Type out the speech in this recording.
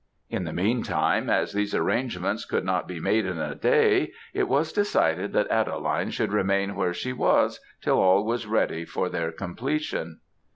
In the meantime, as these arrangements could not be made in a day, it was decided that Adeline should remain where she was till all was ready for their completion.